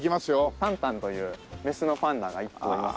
タンタンというメスのパンダが１頭おります。